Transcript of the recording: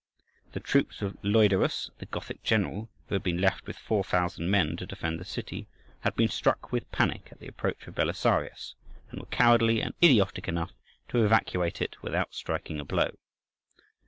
The troops of Leudaris, the Gothic general, who had been left with 4,000 men to defend the city, had been struck with panic at the approach of Belisarius, and were cowardly and idiotic enough to evacuate it without striking a blow.